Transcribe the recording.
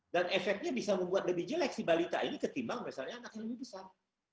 dan efeknya bisa membuat lebih jelek si balita ini ketimbang misalnya anak yang lebih besar